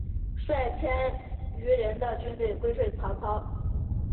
率千余人的军队归顺曹操。